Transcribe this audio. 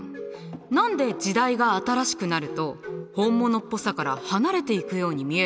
何で時代が新しくなると本物っぽさから離れていくように見えるのかな？